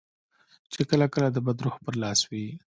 چې کله کله د بد روح پر لاس وي.